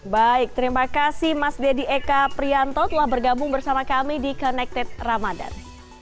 baik terima kasih mas deddy eka prianto telah bergabung bersama kami di connected ramadan